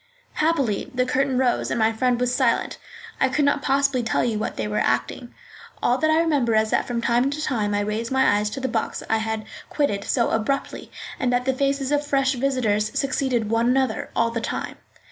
Happily, the curtain rose and my friend was silent. I could not possibly tell you what they were acting. All that I remember is that from time to time I raised my eyes to the box I had quitted so abruptly, and that the faces of fresh visitors succeeded one another all the time.